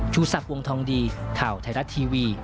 ชูสับวงทองดีข่าวไทยรัตน์ทีวี